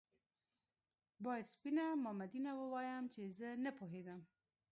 باید سپينه مامدينه ووايم چې زه نه پوهېدم